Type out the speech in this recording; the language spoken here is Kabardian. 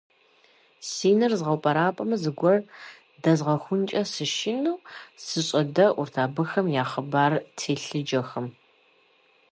Си нэр згъэупӀэрапӀэмэ, зыгуэр дэзгъэхункӀэ сышынэу, сыщӀэдэӀурт абыхэм я хъыбар телъыджэхэм.